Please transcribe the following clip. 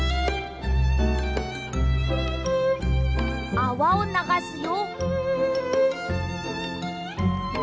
あわをながすよ。